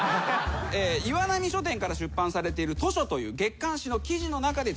岩波書店から出版されている『図書』という月刊誌の記事の中で使われていました。